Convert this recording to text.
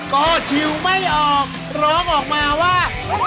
ก็ชิวไม่ออกร้องออกมาว่า